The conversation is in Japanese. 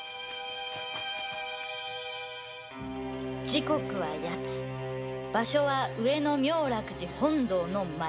時刻は八つ場所は上野妙楽寺本堂の前。